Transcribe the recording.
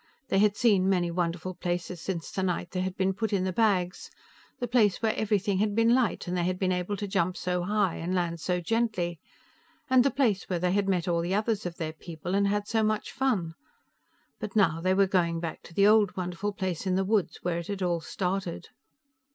They had seen many wonderful places, since the night they had been put in the bags: the place where everything had been light and they had been able to jump so high and land so gently, and the place where they had met all the others of their people and had so much fun. But now they were going back to the old Wonderful Place in the woods, where it had all started.